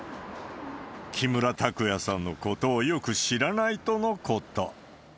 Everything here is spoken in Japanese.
木村拓哉さんのことをよく知らないとのこと。